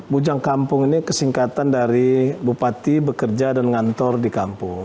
bujang kampung ini kesingkatan dari bupati bekerja dan ngantor di kampung